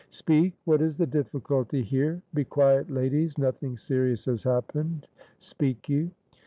"Speak! what is the difficulty here? Be quiet, ladies, nothing serious has happened. Speak you!"